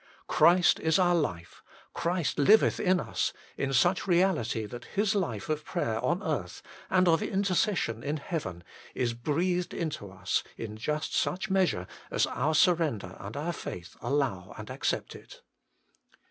Christ is our life, Christ liveth in us, in such reality that His life of prayer on earth, and of intercession in heaven, is breathed into us in just such measure as our surrender and our faith allow and accept it.